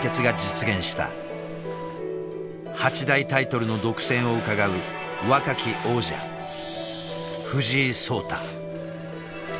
８大タイトルの独占をうかがう若き王者藤井聡太。